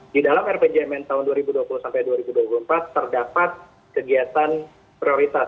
di dalam rpjmn tahun dua ribu dua puluh sampai dua ribu dua puluh empat terdapat kegiatan prioritas